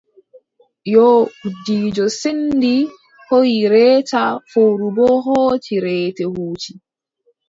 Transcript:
Yoo gudiijo senndi hooyi reeta fowru boo hooci reete huuci.